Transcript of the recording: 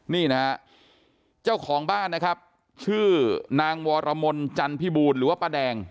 นี่นะฮะเจ้าของบ้านนะครับชื่อนางวรมนจันพิบูลหรือว่าป้าแดง